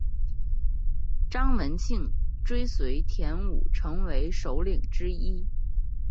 张文庆追随田五成为首领之一。